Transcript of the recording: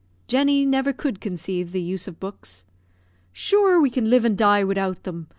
Jenny never could conceive the use of books. "Sure, we can live and die widout them.